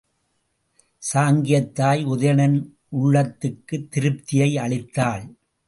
சாங்கியத் தாய் உதயணன் உள்ளத்துக்குத் திருப்தியை அளித்தாள்.